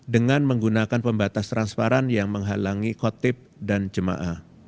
dengan menggunakan pembatas transparan yang menghalangi kotip dan jemaah